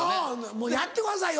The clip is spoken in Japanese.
「もうやってくださいよ！」